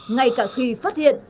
ngay cả khi phát hiện